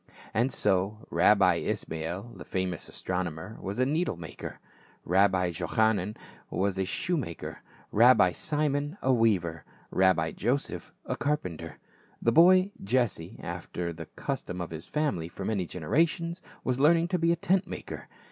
And so Rabbi Ismael, the famous astronomer, was a needle maker ; Rabbi Jochanan was a shoe maker, Rabbi Simon a weaver, Rabbi Joseph a carpenter. The boy, Jesse, after the custom of his family for many generations, was learning to be a tent maker.